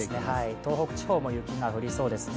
東北地方も雪が降りそうですね。